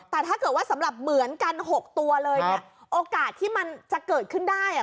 แต่ถ้าเกิดว่าสำหรับเหมือนกันหกตัวเลยเนี่ยโอกาสที่มันจะเกิดขึ้นได้อ่ะ